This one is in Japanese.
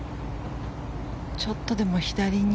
ちょっとでも左に。